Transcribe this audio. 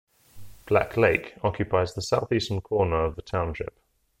Black Lake occupies the southeastern corner of the township.